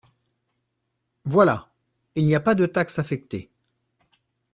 Voilà ! Il n’y a pas de taxes affectées.